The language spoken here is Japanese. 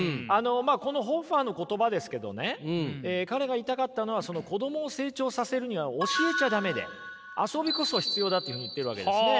このホッファーの言葉ですけどね彼が言いたかったのは子供を成長させるには教えちゃダメで遊びこそ必要だというふうに言ってるわけですね。